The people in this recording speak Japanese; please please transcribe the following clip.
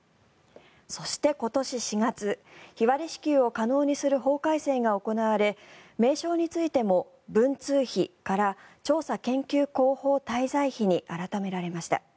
そして、今年４月日割り支給を可能にする法改正が行われ名称についても文通費から調査研究広報滞在費に改められました。